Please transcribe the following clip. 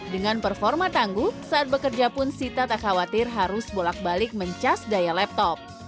dengan performa tangguh saat bekerja pun sita tak khawatir harus bolak balik mencas daya laptop